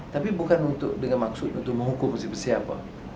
tapi bukan dengan maksud untuk menghukum siapa